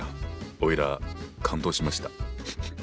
おいら感動しました。